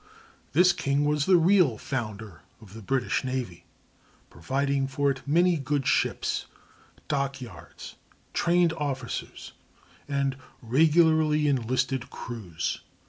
This king was the real founder of the British navy, providing for it many good ships, dock yards, trained officers, and regularly enlisted crews.